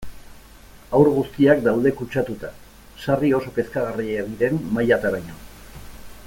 Haur guztiak daude kutsatuta, sarri oso kezkagarriak diren mailataraino.